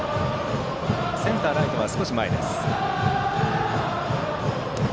センター、ライトは少し前です。